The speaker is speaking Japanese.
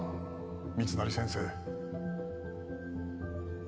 密成先生